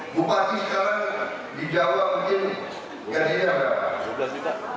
bupati sekarang di jawa mungkin gajinya berapa